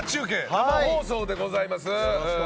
生放送でございます。